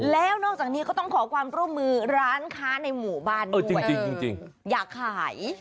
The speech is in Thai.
แล้วนอกจากนี้ก็ต้องขอความร่วมมือร้านค้าในหมู่บ้านด้วยจริงอยากขาย